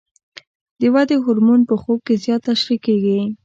د ودې هورمون په خوب کې زیات ترشح کېږي.